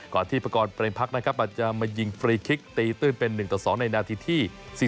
ที่ประกอบเรมพักนะครับอาจจะมายิงฟรีคลิกตีตื้นเป็น๑ต่อ๒ในนาทีที่๔